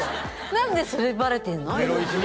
何でバレてんの？